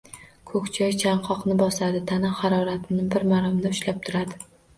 Ko‘k choy chanqoqni bosadi, tana haroratini bir maromda ushlab turadi.